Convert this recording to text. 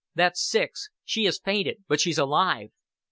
That's six. She has fainted but she's alive."